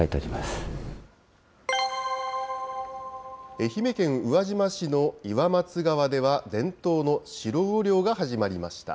愛媛県宇和島市の岩松川では、伝統のシロウオ漁が始まりました。